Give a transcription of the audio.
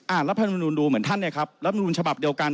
รัฐมนุนดูเหมือนท่านเนี่ยครับรัฐมนุนฉบับเดียวกัน